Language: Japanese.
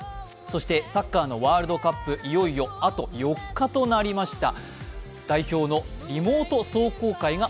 サッカーのワールドカップ、いよいよあと４日となりました。